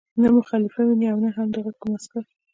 نه مو خلیفه ویني او نه د هغه کوم عسکر.